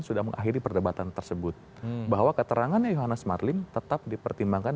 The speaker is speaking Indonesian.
sudah mengakhiri perdebatan tersebut bahwa keterangannya yohannes marlim tetap dipertimbangkan